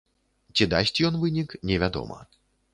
Ці дасць ён вынік, невядома.